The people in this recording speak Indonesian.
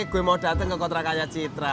gue mau dateng ke kontrakannya citra